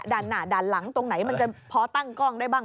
หน้าด้านหลังตรงไหนมันจะพอตั้งกล้องได้บ้าง